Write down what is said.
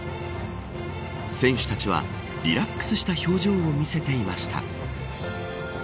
選手たちはリラックスした表情を見せていました。